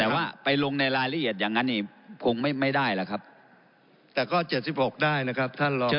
แต่ว่าไปลงในรายละเอียดอย่างงั้นอีกคงไม่ไม่ได้หรอกครับแต่ก็เจ็ดสิบหกได้นะครับท่านรองให้